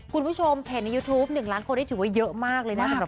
คุณผู้ชมเห็นในยูทูป๑ล้านคนที่ถือว่าเยอะมากเลยนะ